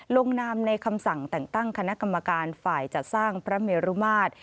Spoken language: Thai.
ลงนามในคำสั่งแต่งตั้งคณะกรรมการฝ่ายจัดสร้างพระเมรุมาตร